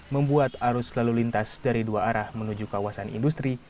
membuat arus lalu lintas dari dua arah menuju kawasan industri